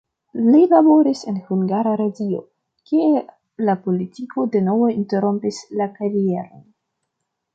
Li laboris en Hungara Radio, kie la politiko denove interrompis la karieron.